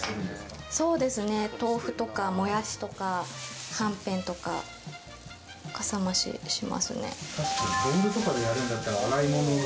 豆腐とか、もやしとか、はんぺんとか、かさ増ししますね。